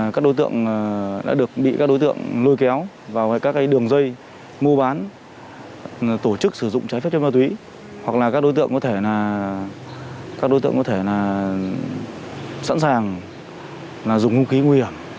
các đối tượng có thể sẵn sàng dùng hung khí nguy hiểm